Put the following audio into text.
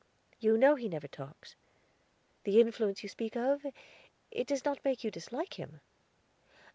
You know he never talks. The influence you speak of it does not make you dislike him?"